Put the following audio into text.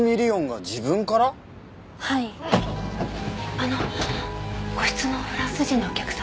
あの個室のフランス人のお客様